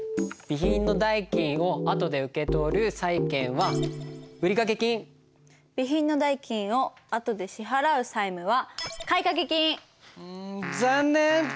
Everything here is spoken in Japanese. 備品の代金をあとで受け取る債権は備品の代金をあとで支払う債務はうん残念！